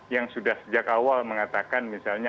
yang sudah sejak awal mengatakan misalnya